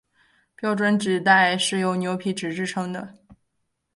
标准纸袋是由牛皮纸制成的。